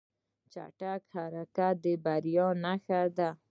چټک حرکت د بریا نښه ده.